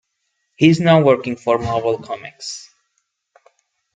He is now working for Marvel Comics.